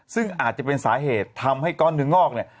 ซึ่งอาจจะเป็นสาเหตุทำให้ก้อนเนื้องอกเนี่ย